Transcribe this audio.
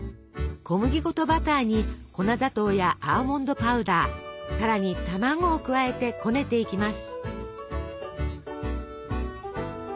小麦粉とバターに粉砂糖やアーモンドパウダーさらに卵を加えてこねていきます。